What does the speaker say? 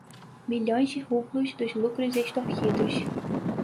milhões de rublos dos lucros extorquidos